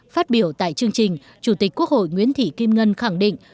phát biểu tại chương trình chủ tịch quốc hội nguyễn thị kim ngân khẳng định